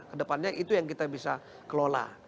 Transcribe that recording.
kedepannya itu yang kita bisa kelola